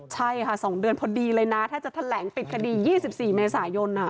ใช่ค่ะ๒เดือนพอดีเลยนะถ้าจะแถลงปิดคดี๒๔เมษายน